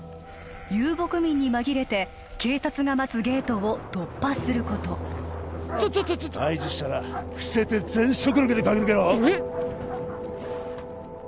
遊牧民に紛れて警察が待つゲートを突破することちょっちょっ合図したら伏せて全速力で駆け抜けろえっ？